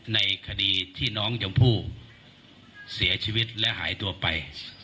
ในคดีที่น้องชมพู่เสียชีวิตและหายตัวไป